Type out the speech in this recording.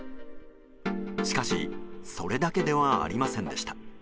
しかし、それだけではありませんでした。